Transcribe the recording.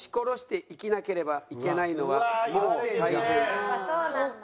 やっぱそうなんだ。